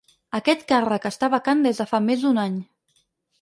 Aquest càrrec està vacant des de fa més d’un any.